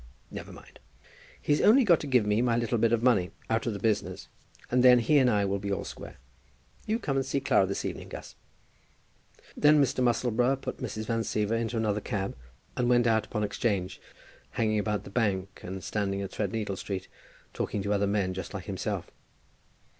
Never mind. He's only got to give me my little bit of money out of the business, and then he and I will be all square. You come and see Clara this evening, Gus." Then Mr. Musselboro put Mrs. Van Siever into another cab, and went out upon 'Change, hanging about the Bank, and standing in Threadneedle Street, talking to other men just like himself.